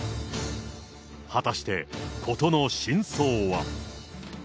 果たして、事の真相は。